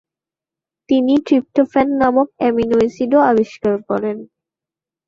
তিনি ট্রিপ্টোফ্যান নামক এমিনো এসিডও আবিষ্কার করেন।